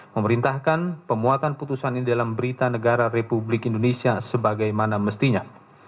memerintahkan pemuatan putusan ini dalam berita negara republik indonesia sebagaimana mestinya